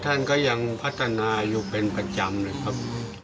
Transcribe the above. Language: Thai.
ท่านก็ยังพัฒนาอยู่เป็นประจำเลยครับ